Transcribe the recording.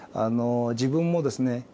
自分もですね